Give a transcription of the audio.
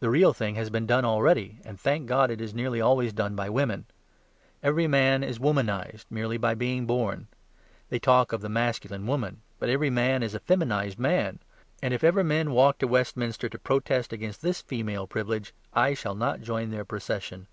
The real thing has been done already, and thank God it is nearly always done by women. Every man is womanised, merely by being born. They talk of the masculine woman; but every man is a feminised man. And if ever men walk to Westminster to protest against this female privilege, I shall not join their procession.